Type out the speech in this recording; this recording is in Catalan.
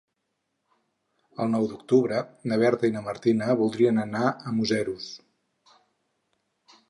El nou d'octubre na Berta i na Martina voldrien anar a Museros.